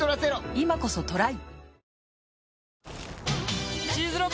今こそトライ！